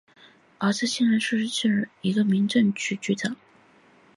儿子谭元刚任湖南省驻京办主任和女谭木兰任茶陵县民政局局长。